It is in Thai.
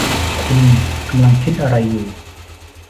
คุณกำลังคิดอะไรอยู่ ?